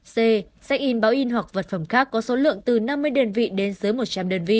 c sách in báo in hoặc vật phẩm khác có số lượng từ năm mươi đơn vị đến dưới một trăm linh đơn vị